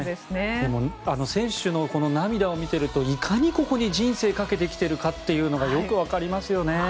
でも選手の涙を見ているといかに、ここに人生をかけてきているのかがよく分かりますよね。